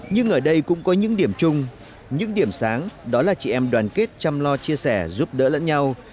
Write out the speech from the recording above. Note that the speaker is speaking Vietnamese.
nhưng ở đây cũng có những điểm chung những điểm sáng đó là chị em đoàn kết chăm lo chia sẻ giúp đỡ lẫn nhau